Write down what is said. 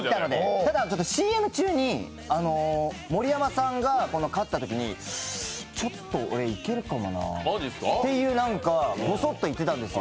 ただＣＭ中に盛山さんが勝ったときにちょっと俺いけるかもなってぼそって言ってたんですよ。